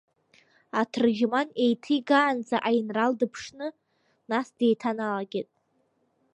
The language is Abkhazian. Аҭырџьман еиҭеигаанӡа аинрал дыԥшны, нас деиҭаналагеит…